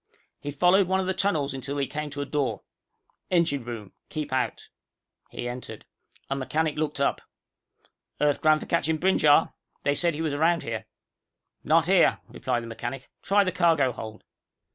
He followed one of the tunnels until he came to a door: ENGINE ROOM KEEP OUT. He entered. A mechanic looked up. "Earth 'gram for Captain Brinjar. They said he was around here." "Not here," replied the mechanic. "Try the cargo hold."